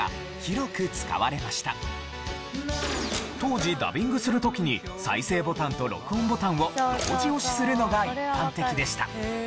当時ダビングする時に再生ボタンと録音ボタンを同時押しするのが一般的でした。